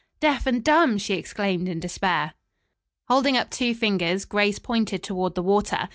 "Deaf and dumb!" she exclaimed in despair. Holding up two fingers, Grace pointed toward the water.